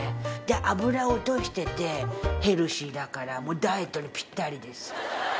で脂を落としててヘルシーだからダイエットにぴったりです。